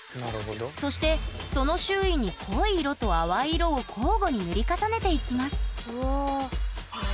そしてその周囲に濃い色と淡い色を交互に塗り重ねていきます。